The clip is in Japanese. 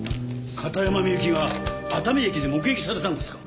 片山みゆきが熱海駅で目撃されたんですか？